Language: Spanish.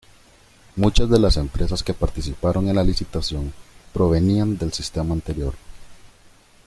Muchas de las empresas que participaron en la licitación, provenían del sistema anterior.